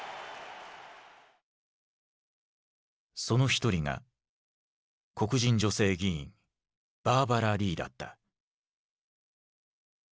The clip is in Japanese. その一人が黒人女性議員バーバラ・リーだった。